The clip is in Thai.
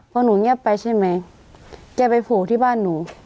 พอหนูเงียบไปใช่ไหมแกไปโผล่ที่บ้านหนู